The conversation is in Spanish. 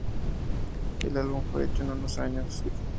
El álbum fue hecho en unos años.